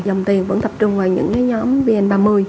dòng tiền vẫn tập trung vào những nhóm vn ba mươi